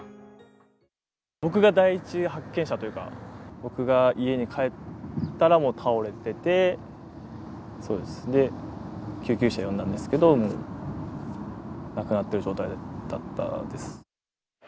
僕が第１発見者というか、僕が家に帰ったら、もう倒れてて、そうです、で、救急車呼んだんですけど、もう亡くなってる状態だったです。